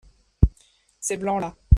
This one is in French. ces blancs_là.